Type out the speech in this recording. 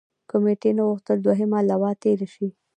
کمېټې نه غوښتل دوهمه لواء تېره شي.